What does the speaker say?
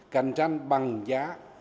cạnh tranh bằng giá